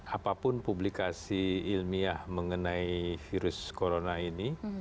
apapun publikasi ilmiah mengenai virus corona ini